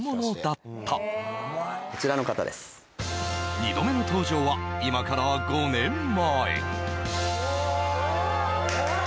２度目の登場は今から５年前。